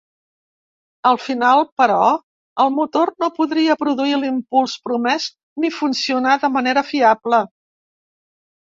Al final, però, el motor no podria produir l'impuls promès ni funcionar de manera fiable.